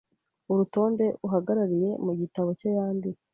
urutonde uhagarariyemu gitabo cye yanditse